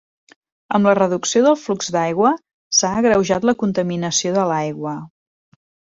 Amb la reducció del flux d’aigua, s’ha agreujat la contaminació de l'aigua.